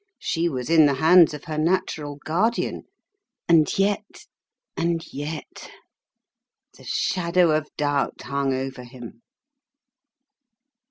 She was in the hands of her natural guardian, and yet, and yet ! The shadow of doubt hung over him.